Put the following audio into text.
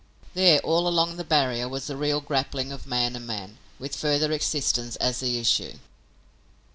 There, all along the barrier, was the real grappling of man and man, with further existence as the issue.